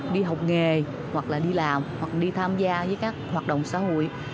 đi học nghề hoặc là đi làm hoặc đi tham gia với các hoạt động xã hội